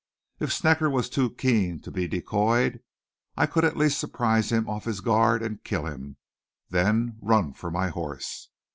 If Snecker was too keen to be decoyed I could at least surprise him off his guard and kill him, then run for my horse.